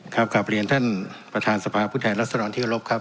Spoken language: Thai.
ครับกลับเรียนท่านประธานสภาพุทธแหละสรรค์ที่อรบครับ